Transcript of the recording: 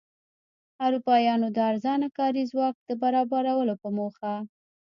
اروپایانو د ارزانه کاري ځواک د برابرولو په موخه.